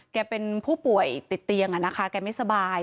เป็นผู้ป่วยติดเตียงนะคะแกไม่สบาย